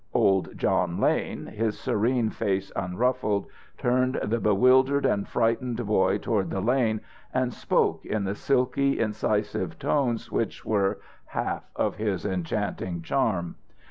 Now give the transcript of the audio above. Old John Lane, his serene face unruffled, turned the bewildered and frightened boy toward the lane and spoke, in the silky, incisive tones which were half of his enchanting charm.